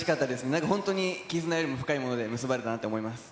なんか本当に絆よりも深いもので結ばれたなって思います。